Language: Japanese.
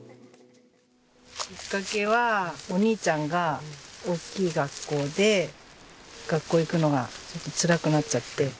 きっかけはお兄ちゃんが大きい学校で学校行くのがちょっとつらくなっちゃって。